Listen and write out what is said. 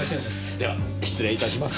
では失礼いたします。